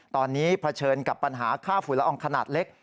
ตอนนี้เผชิญกับปัญหาค่าฝุ่นละอองขนาดเล็ก